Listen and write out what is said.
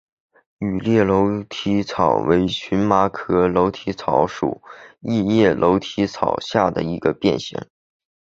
羽裂楼梯草为荨麻科楼梯草属异叶楼梯草下的一个变型。